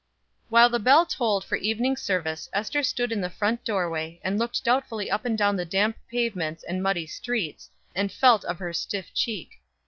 While the bell tolled for evening service Ester stood in the front doorway, and looked doubtfully up and down the damp pavements and muddy streets, and felt of her stiff cheek.